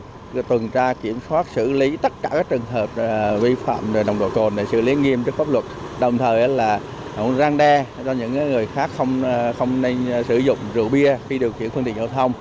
tổ chức tuần tra kiểm soát xử lý tất cả các trường hợp vi phạm nồng độ cồn để xử lý nghiêm trước pháp luật đồng thời là răng đe cho những người khác không nên sử dụng rượu bia khi điều khiển phương tiện giao thông